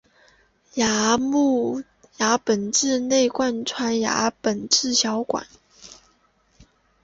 牙本质内外贯穿牙本质小管。